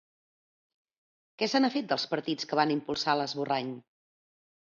Què se n’ha fet, dels partits que van impulsar l’esborrany?